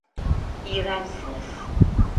İğrençsiniz!